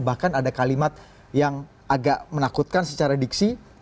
bahkan ada kalimat yang agak menakutkan secara diksi